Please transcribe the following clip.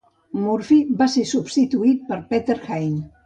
Murphy va ser substituït per Peter Hain.